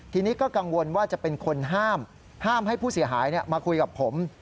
ทีนี้ก็กังวลว่าจะเป็นคนห้ามห้ามให้ผู้เสียหายมาคุยกับผม